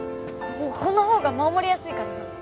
ここのほうが守りやすいからさ。